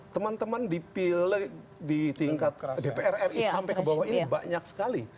teman teman di tingkat dpr ri sampai ke bawah ini banyak sekali